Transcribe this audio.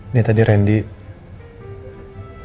ini tadi randy